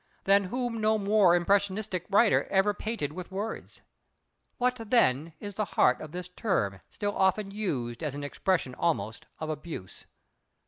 Than whom no more impressionistic writer ever painted with words. What then is the heart of this term still often used as an expression almost of abuse?